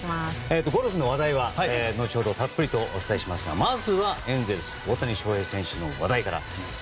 ゴルフの話題は後ほどたっぷりお伝えしますがまずは、エンゼルス大谷翔平選手の話題から。